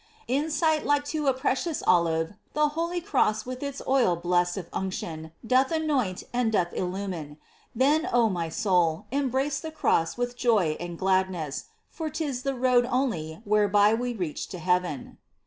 In sight like to a precious olive The holy Cross POEMS. 3g With its blest oil of unction doth anoint And doth illumine. Then, O my soul, embrace the Cross with Joy and gladness. For 'tis the only road whereby We reach to heaven